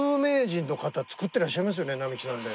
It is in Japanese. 並木さんで。